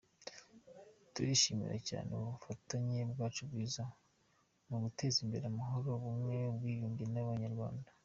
Turishimira cyane ubufatanye bwacu bwiza mu guteza imbere amahoro, ubumwe, n’ubwiyunge bw’Abanyarwanda.